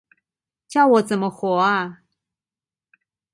叫我怎麼活啊